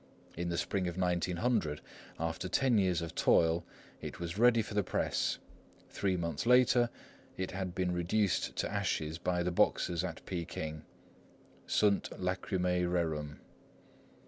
In the spring of 1900, after ten years of toil, it was ready for the press; three months later it had been reduced to ashes by the Boxers at Peking. "Sunt lacrymae rerum